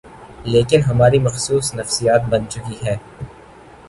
لیکن ہماری مخصوص نفسیات بن چکی ہے۔